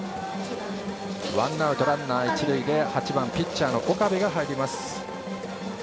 ワンアウトランナー、一塁で８番ピッチャーの岡部です。